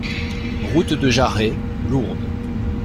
Route de Jarret, Lourdes